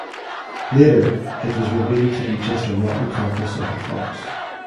Later, it was revealed to be just a rotten carcass of a fox.